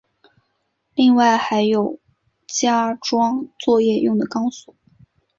另外还有加装作业用的钢索。